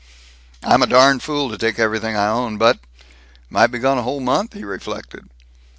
"I'm a darned fool to take everything I own but Might be gone a whole month," he reflected.